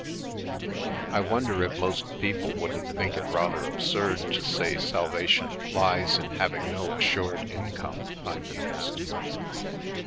" I wonder if most people wouldn't think it rather ab surd to say salvation lies in having no assured income/' I mused.